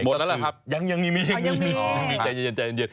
หมดแล้วหรือครับยังมีใจเย็น